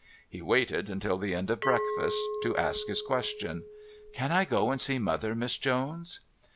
He waited until the end of breakfast to ask his question: "Can I go and see Mother, Miss Jones?"